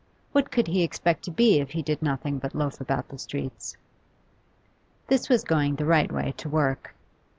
What could he expect to be if he did nothing but loaf about the streets? This was going the right way to work.